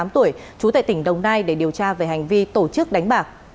năm mươi tám tuổi trú tại tỉnh đồng nai để điều tra về hành vi tổ chức đánh bạc